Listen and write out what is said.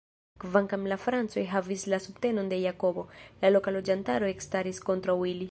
Kvankam la Francoj havis la subtenon de Jakobo, la loka loĝantaro ekstaris kontraŭ ili.